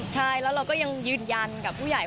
ใช่แล้วเราก็ยังยืนยันกับผู้ใหญ่